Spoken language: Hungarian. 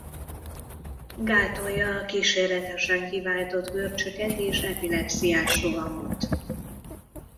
Gátolja a kísérletesen kiváltott görcsöket és epilepsziás rohamot.